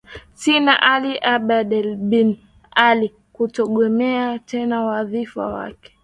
sin ali abadel ben ali kutogombea tena wadhifa wake